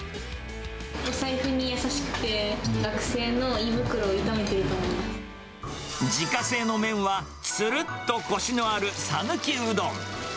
お財布に優しくて、学生の胃自家製の麺は、つるっとこしのあるさぬきうどん。